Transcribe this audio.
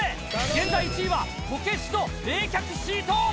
現在１位は、こけしと冷却シート。